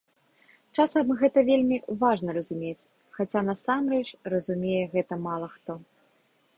Часам гэта вельмі важна разумець, хаця, насамрэч, разумее гэта мала хто.